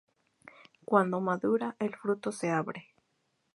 Cuando madura, el fruto se abre.